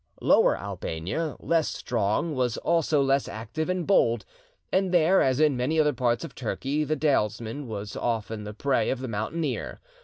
Lower Albania, less strong, was also less active and bold; and there, as in many other parts of Turkey, the dalesman was often the prey of the mountaineer.